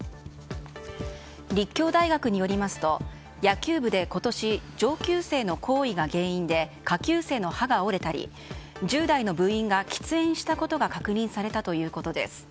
立教大学によりますと野球部で今年上級生の行為が原因で下級生の歯が折れたり１０代の部員が喫煙したことが確認されたということです。